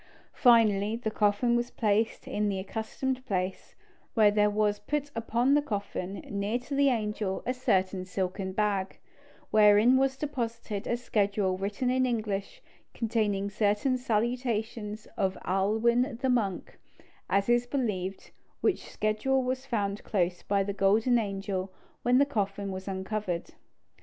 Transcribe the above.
Finally, the coffin was placed in the accustomed place, and there was put upon the coffin, near to the angel, a certain silken bag, wherein was deposited a schedule written in English, containing certain salutations of Ailwin the monk, as is believed, which schedule was found close by the golden angel when the coffin was uncovered.